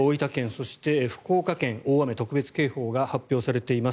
そして福岡県に大雨特別警報が発表されています。